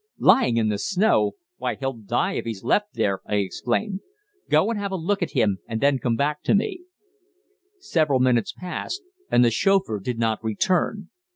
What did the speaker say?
"Lying in the snow! Why, he'll die if he's left there," I exclaimed. "Go and have a look at him, and then come back to me." Several minutes passed, and the chauffeur did not return.